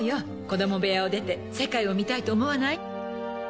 子供部屋を出て世界を見たいと思わない？